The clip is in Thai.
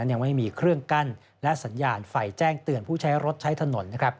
ยังไม่มีเครื่องกั้นและสัญญาณไฟแจ้งเตือนผู้ใช้รถใช้ถนน